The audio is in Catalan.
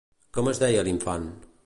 Com es deia l'infant?